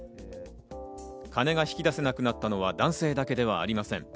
金が引き出せなくなったのは男性だけではありません。